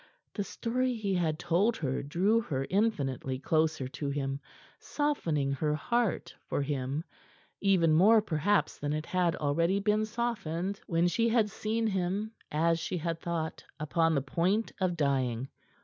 The story he had told her drew her infinitely closer to him, softening her heart for him even more perhaps than it had already been softened when she had seen him as she had thought upon the point of dying.